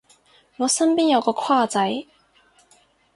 我身邊有個跨仔